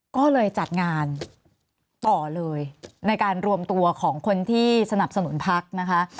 ก็เลยจัดงานต่อเลยในการรวมตัวของคนที่สนับสนุนพักนะคะ